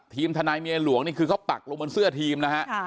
ทีมทนายเมียหลวงนี่คือเขาปักลงบนเสื้อทีมนะฮะ